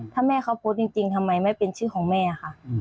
ถ้าแม่เขาโพสต์จริงทำไมไม่เป็นชื่อของแม่ค่ะ